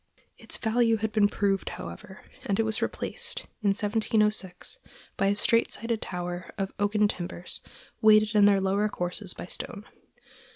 Its value had been proved, however, and it was replaced, in 1706, by a straight sided tower of oaken timbers, weighted in their lower courses by stone.